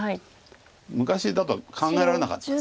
昔だと考えられなかったです。